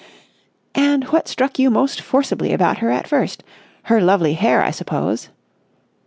"And what struck you most forcibly about her at first? Her lovely hair, I suppose?"